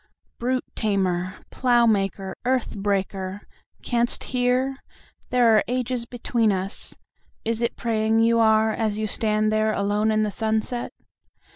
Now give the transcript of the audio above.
"Brute tamer, plough maker, earth breaker! Can'st hear? There are ages between us."Is it praying you are as you stand there alone in the sunset?